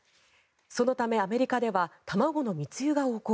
そのため、アメリカでは卵の密輸が横行。